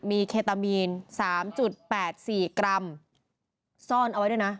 มีเคตามีน๓๘๔กรัมซ่อนเอาไว้ด้วยนะ